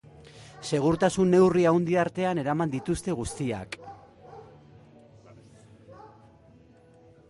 Segurtasun neurri handi artean eraman dituzte guztiak.